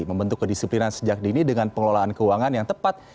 membentuk kedisiplinan sejak dini dengan pengelolaan keuangan yang tepat